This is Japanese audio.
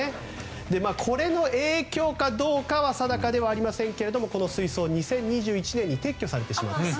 これの影響かどうかは定かではありませんけれどこの水槽２０２１年に撤去されています。